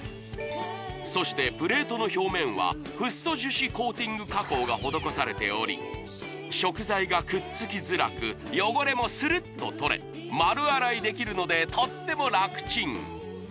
そしてプレートの表面はフッ素樹脂コーティング加工が施されており食材がくっつきづらく汚れもするっと取れ丸洗いできるのでとってもラクチン！